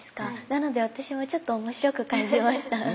なので私もちょっと面白く感じました。